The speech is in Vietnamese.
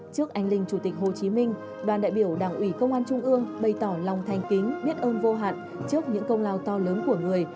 trước anh linh chủ tịch hồ chí minh đoàn đại biểu đảng ủy công an trung ương bày tỏ lòng thanh kính biết ơn vô hạn trước những công lao to lớn của người